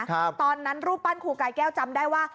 ตอนนั้นรูปปั้นครูกายแก้วจำได้ว่า